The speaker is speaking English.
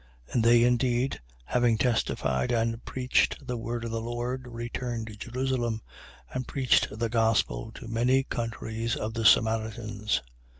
8:25. And they indeed, having testified and preached the word of the Lord, returned to Jerusalem: and preached the gospel to many countries of the Samaritans.